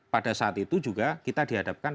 pada saat itu juga kita dihadapkan